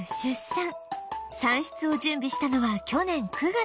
産室を準備したのは去年９月